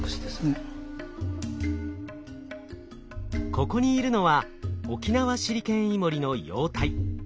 ここにいるのはオキナワシリケンイモリの幼体。